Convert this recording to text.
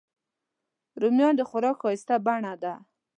رومیان د خوراک ښایسته بڼه ده